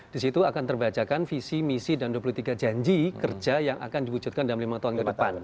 di situ akan terbacakan visi misi dan dua puluh tiga janji kerja yang akan diwujudkan dalam lima tahun ke depan